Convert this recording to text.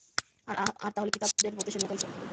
আর আহলে কিতাবদের মতে সে নৌকায় ছিল।